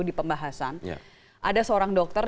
di pembahasan ada seorang dokter